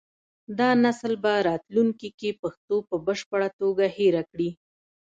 دا نسل به راتلونکي کې پښتو په بشپړه توګه هېره کړي.